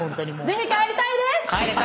ぜひ帰りたいです！